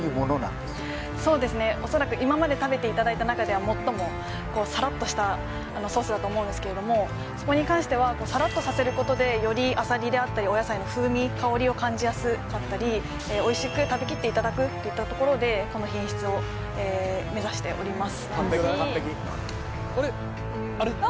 恐らく最もこうさらっとしたソースだと思うんですけれどもそこに関してはさらっとさせることでよりあさりであったりお野菜の風味香りを感じやすかったりおいしく食べきっていただくといったところでこの品質を目指しております